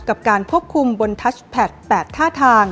กับการควบคุมบนทัชแพท๘ท่าทาง